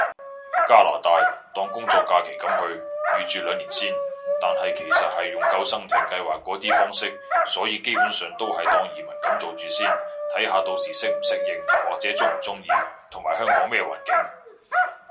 加拿大，當工作假期噉去，預住兩年先，但係其實係用救生艇計劃嗰啲方式，所以基本上都係當移民噉做住先，睇下到時適唔適應，或者中唔中意，同埋香港咩環境